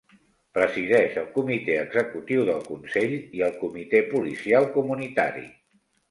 Presideix el comitè executiu del consell i el comitè policial comunitari.